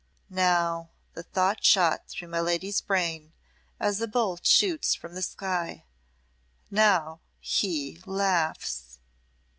"Now," the thought shot through my lady's brain, as a bolt shoots from the sky "now he laughs!"